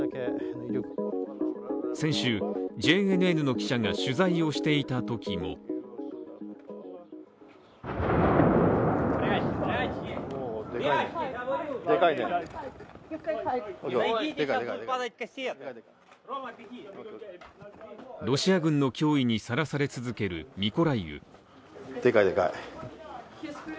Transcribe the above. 先週、ＪＮＮの記者が取材をしていたときもロシア軍の脅威にさらされ続けるミコライウ。